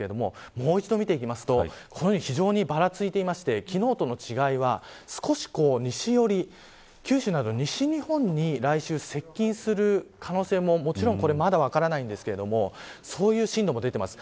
もう一度見ていくと非常にばらついていて昨日との違いは少し西寄りで九州など西日本に来週接近する可能性もまだ分かりませんがそういった進路も出ています。